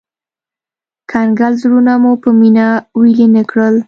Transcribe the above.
کنګل زړونه مو په مينه ويلي نه کړل